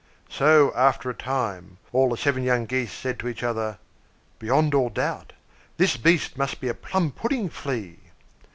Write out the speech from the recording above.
So, after a time, all the seven young Geese said to each other, "Beyond all doubt this beast must be a Plum pudding Flea!"